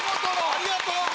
ありがとう。